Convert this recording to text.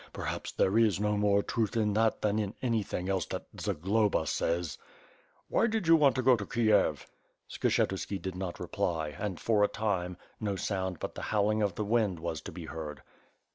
Perhops there is no more truth in that than in anything else that Zagloba says." "Why do you want to go to Kiev?" Skshetuski did not reply and, for a time, no sound but the howling of the wind was to be heard.